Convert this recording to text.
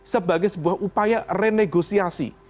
sebagai sebuah upaya renegosiasi